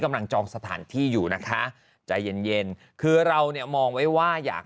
จองสถานที่อยู่นะคะใจเย็นเย็นคือเราเนี่ยมองไว้ว่าอยาก